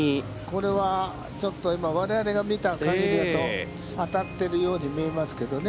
これはちょっと今、我々が見た感じだと、当たってるように見えますけどね。